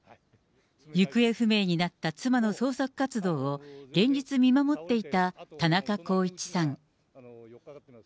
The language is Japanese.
行方不明になった妻の捜索活動を、連日見守っていた田中公一さん。